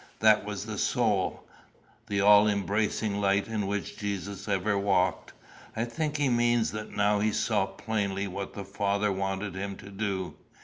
That was the sole, the all embracing light in which Jesus ever walked. I think he means that now he saw plainly what the Father wanted him to do.